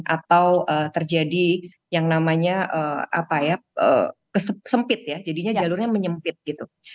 atau terjadi yang namanya apa ya sempit ya jadinya jalurnya menyempit gitu